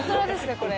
これ。